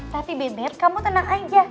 tapi beber kamu tenang aja